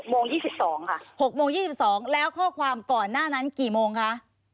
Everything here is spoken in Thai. โมง๒๒ค่ะ๖โมง๒๒แล้วข้อความก่อนหน้านั้นกี่โมงคะ